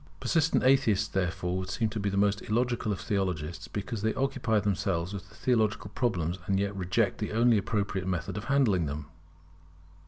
Persistent atheists therefore would seem to be most illogical of theologists: because they occupy themselves with theological problems, and yet reject the only appropriate method of handling them.